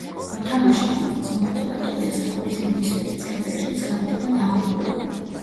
მოთამაშე, რომელსაც მოხვდება ტყვია სხეულის ნებისმიერ წერტილში, ცხადდება დაღუპულად.